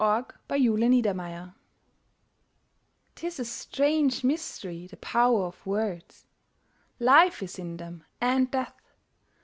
The Power of Words 'TIS a strange mystery, the power of words! Life is in them, and death.